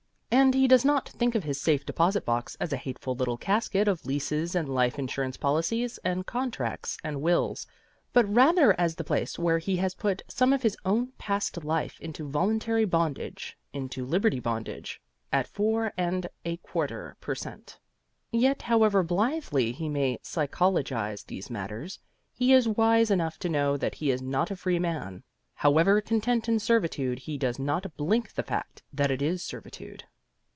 And he does not think of his safe deposit box as a hateful little casket of leases and life insurance policies and contracts and wills, but rather as the place where he has put some of his own past life into voluntary bondage into Liberty Bondage at four and a quarter per cent. Yet, however blithely he may psychologize these matters, he is wise enough to know that he is not a free man. However content in servitude, he does not blink the fact that it is servitude.